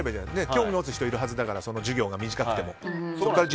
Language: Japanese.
興味持つ人はいるからその授業が短くても。